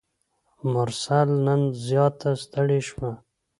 مرسل نن زیاته ستړي شوه.